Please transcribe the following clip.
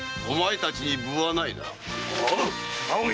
お前たちに分はないな。